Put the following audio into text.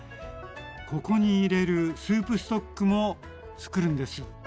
ここに入れるスープストックも作るんです。